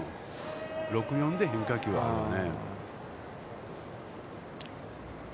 ６対４で変化球があるよね。